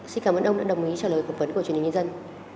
xin cảm ơn ông đã đồng ý trả lời phỏng vấn của truyền hình nhân dân